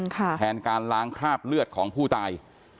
แทนการล้างคราบเลือดของผู้ตาย